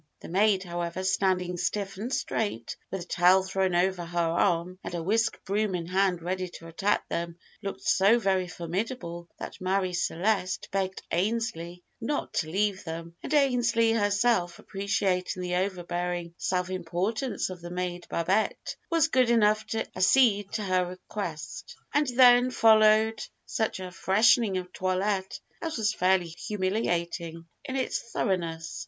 The maid, however, standing stiff and straight, with a towel thrown over her arm and a whisk broom in hand ready to attack them, looked so very formidable that Marie Celeste begged Ainslee not to leave them; and Ainslee, herself appreciating the overbearing self importance of the maid Babette, was good enough to accede to her request. And then followed such a freshening of toilette as was fairly humiliating in its thoroughness.